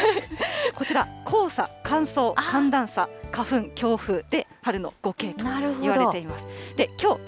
こちら、黄砂、乾燥、寒暖差、花粉、強風、で、春の５Ｋといわれています。